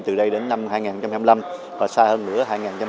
từ nay đến năm hai nghìn hai mươi năm và xa hơn nữa hai nghìn ba mươi